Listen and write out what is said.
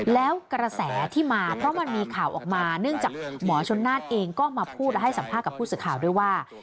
แล้วกระแสที่มาเพราะมันมีข่าวออกมาเนื่องจากหมอชนน่านเองก็มาพูดและให้สัมภาษณ์กับผู้สื่อข่าวด้วยว่า